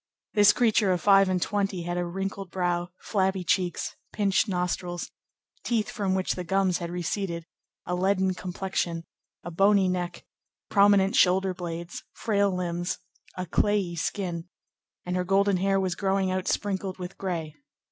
This creature of five and twenty had a wrinkled brow, flabby cheeks, pinched nostrils, teeth from which the gums had receded, a leaden complexion, a bony neck, prominent shoulder blades, frail limbs, a clayey skin, and her golden hair was growing out sprinkled with gray.